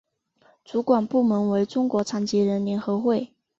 主管部门为中国残疾人联合会。